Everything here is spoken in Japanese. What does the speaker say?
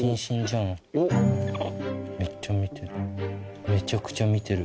めっちゃ見てる。